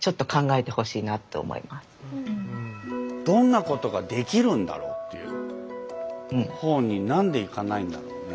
どんなことができるんだろうっていう方に何でいかないんだろうね？